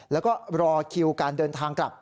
แล้วก็รอคิวการเดินทางกลับ